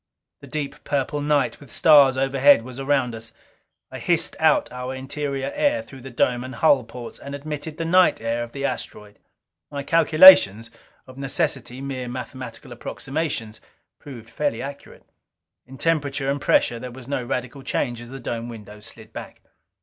The deep purple night with stars overhead was around us. I hissed out our interior air through the dome and hull ports, and admitted the night air of the asteroid. My calculations of necessity mere mathematical approximations proved fairly accurate. In temperature and pressure there was no radical change as the dome windows slid back.